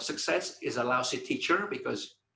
sukses adalah guru yang berguna karena